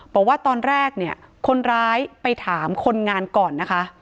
บอกว่าตอนแรกเนี่ยคนร้ายไปถามคนงานก่อนนะคะ